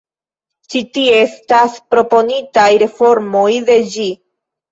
Ĉi tie estas proponitaj reformoj de ĝi.